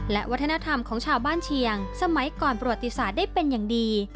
และวัฒนธรรมของชาวบ้านเชียงสมัยก่อนประวัติศาสตร์ได้เป็นอย่างดี